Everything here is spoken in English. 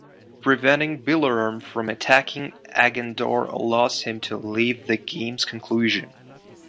Preventing Beleram from attacking Agandaur allows him to live to the game's conclusion.